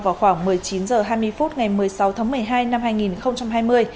vào khoảng một mươi chín h hai mươi phút ngày một mươi sáu tháng một mươi hai năm hai nghìn hai mươi